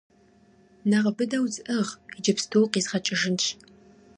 - Нэхъ быдэу зыӀыгъ, иджыпсту укъизгъэкӀыжынщ!